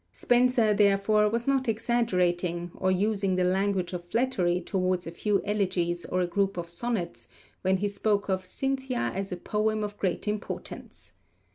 Spenser, therefore, was not exaggerating, or using the language of flattery towards a few elegies or a group of sonnets, when he spoke of Cynthia as a poem of great importance.